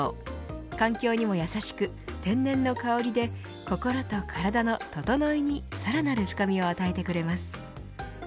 環境にも優しく天然の香りで心と体のととのいにさらなる深みを与えてくれます。